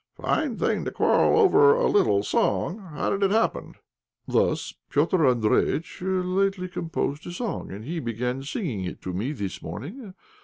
"Fine thing to quarrel over a little song! How did it happen?" "Thus. Petr' Andréjïtch lately composed a song, and he began singing it to me this morning.